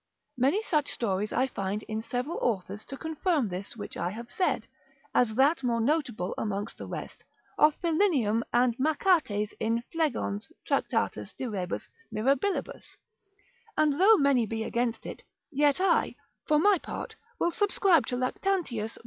Many such stories I find in several authors to confirm this which I have said; as that more notable amongst the rest, of Philinium and Machates in Phlegon's Tract, de rebus mirabilibus, and though many be against it, yet I, for my part, will subscribe to Lactantius, lib.